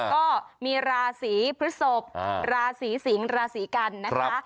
ก็มีราศีพฤศพราศีสิงศ์ราศีกันนะคะ